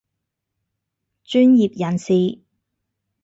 專業人士